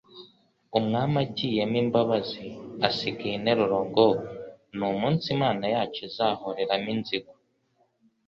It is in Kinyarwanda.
Umwami agiyemo imbabazi.» Asiga iyi nteruro ngo : «N'umunsi Imana yacu izahoreramo inzigo.»